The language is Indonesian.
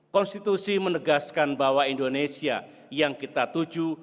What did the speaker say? konstitusi menegaskan bahwa indonesia yang kita tuju